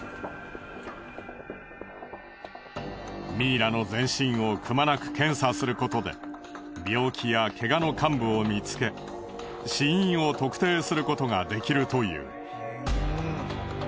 ミイラの全身をくまなく検査することで病気やケガの患部を見つけ死因を特定することができるという。